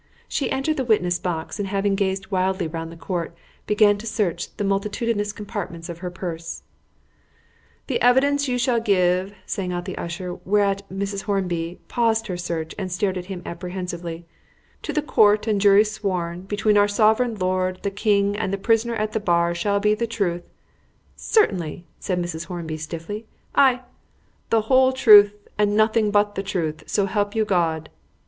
She entered the witness box, and, having gazed wildly round the court, began to search the multitudinous compartments of her purse. "The evidence you shall give," sang out the usher whereat Mrs. Hornby paused in her search and stared at him apprehensively "to the court and jury sworn, between our Sovereign Lord the King and the prisoner at the bar shall be the truth, " "Certainly," said Mrs. Hornby stiffly, "I "" the whole truth, and nothing but the truth; so help you God!"